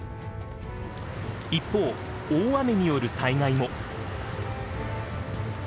一方大雨による災害も。